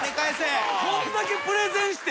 こんだけプレゼンして。